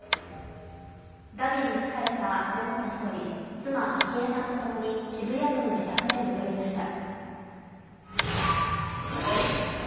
だびに付された安倍元総理妻・昭恵さんとともに渋谷区の自宅に戻りました。